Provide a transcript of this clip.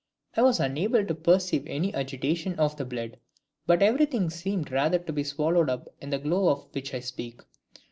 I was unable to perceive any agitation of the blood; but everything seemed rather to be swallowed up in the glow of which I speak.